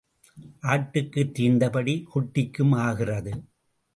ஆட்டுக்குத் தீர்ந்தபடி குட்டிக்கும் ஆகிறது.